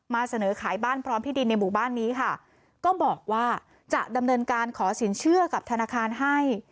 เสนอขายบ้านพร้อมที่ดินในหมู่บ้านนี้ค่ะก็บอกว่าจะดำเนินการขอสินเชื่อกับธนาคารให้